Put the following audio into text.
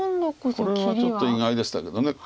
これはちょっと意外でしたけど。